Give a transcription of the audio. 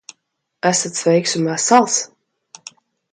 Esat sveiks un vesels?